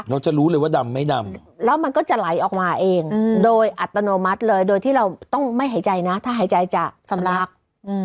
จะรู้เลยว่าดำไม่ดำแล้วมันก็จะไหลออกมาเองโดยอัตโนมัติเลยโดยที่เราต้องไม่หายใจนะถ้าหายใจจะสำลัก